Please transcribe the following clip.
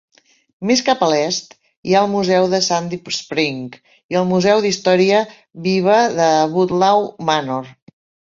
Més cap a l'est, hi ha el museu de Sandy Spring i el museu d'història viva de Woodlawn Manor.